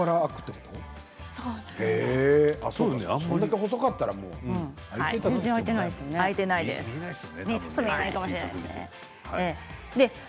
それだけ細かったらね。